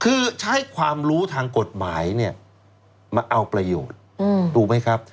คือใช้ความรู้ทางกฎหมายเนี่ยมาเอาประโยชน์ถูกไหมครับ